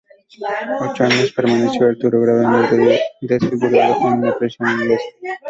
Ocho años permaneció Arturo, gravemente desfigurado, en una prisión inglesa.